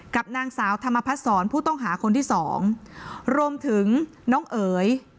กับนางสาวธรรมพัฒนศรผู้ต้องหาคนที่สองรวมถึงน้องเอ๋ย